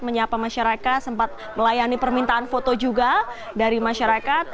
menyapa masyarakat sempat melayani permintaan foto juga dari masyarakat